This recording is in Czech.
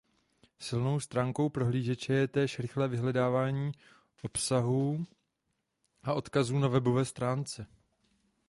Silnou stránkou prohlížeče je též rychlé vyhledávání obsahů a odkazů na webové stránce.